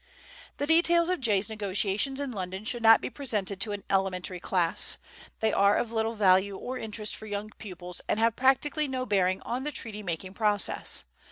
The details of Jay's negotiations in London should not be presented to an elementary class. They are of little value or interest for young pupils and have practically no bearing on the treaty making process.